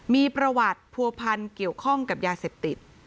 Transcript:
มีประวัติผัวพันธ์เกี่ยวข้องกับยาเสพติด